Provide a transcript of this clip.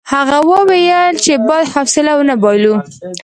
هغه وویل چې باید حوصله ونه بایلو.